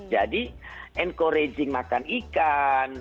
jadi encouraging makan ikan